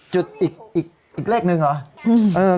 อีกเลขหนึ่งเหรอ